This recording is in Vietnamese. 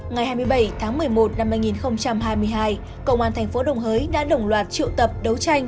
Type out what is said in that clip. ngày hai mươi bảy tháng một mươi một năm hai nghìn hai mươi hai cộng an tp đồng hới đã đồng loạt triệu tập đấu tranh